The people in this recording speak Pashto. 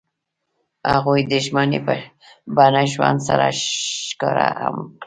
هغوی د ژمنې په بڼه ژوند سره ښکاره هم کړه.